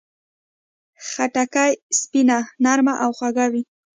خټکی سپینه، نرمه او خوږه وي.